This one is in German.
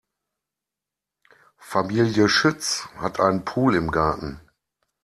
Familie Schütz hat einen Pool im Garten.